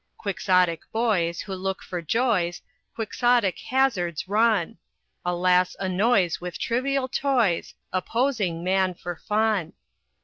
"Quixotic boys who look for joys, Quixotic hazards run; A lass annoys with trivial toys, Opposing man for fun.